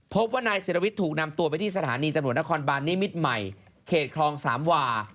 พบว่านายศิรวิทย์ถูกนำตัวไปที่สถานีตำรวจนครบานนิมิตรใหม่เขตคลองสามวา